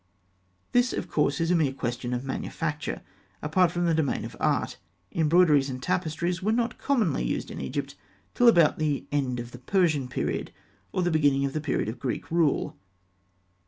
This, of course, is a mere question of manufacture, apart from the domain of art. Embroideries and tapestries were not commonly used in Egypt till about the end of the Persian period, or the beginning of the period of Greek rule.